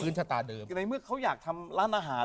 ในเมื่อเขาอยากทำร้านอาหาร